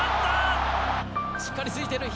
しっかりついている。